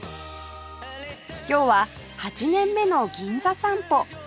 今日は８年目の銀座散歩